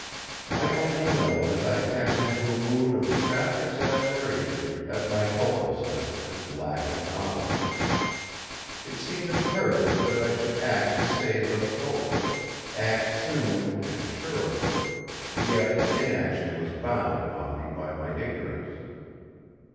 I only know that I passed into a mood of trapped exasperation at my helplessness and lack of knowledge. It seemed imperative that I should act to save us both, act soon and surely; yet inaction was bound upon me by my ignorance.